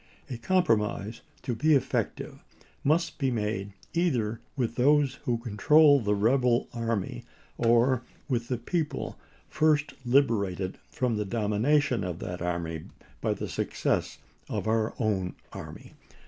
A compromise, to be effective, must be made either with those who control the rebel army, or with the people first liberated from the domination of that army by the success of our own army.